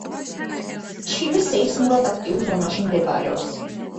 ჩილე სეისმურად აქტიურ ზონაში მდებარეობს.